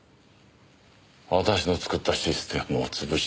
私の作ったシステムを潰したのは。